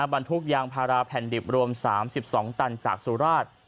บรรทุกยางพาราแผ่นดิบรวม๓๒ตันจากสุราช